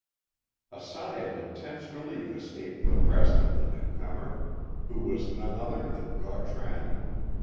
A sigh of intense relief escaped the breast of the newcomer, who was none other than Gautran.